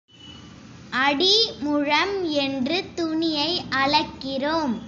அடி, முழம் என்று துணியை அளக்கிறோம்.